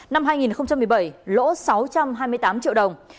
năm hai nghìn một mươi bảy lỗ sáu trăm hai mươi tám triệu đồng